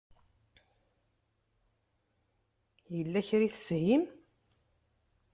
Yella kra i teshim?